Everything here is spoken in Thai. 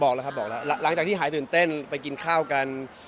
ครับบอกแล้วหลังจากที่หายตื่นเต้นไปกินข้าวกัน